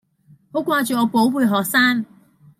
好掛住我寶貝學生